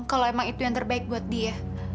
kalau emang itu yang terbaik buat dia